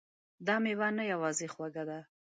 دا میوه نه یوازې خوږه ده